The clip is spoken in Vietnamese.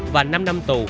và năm năm tù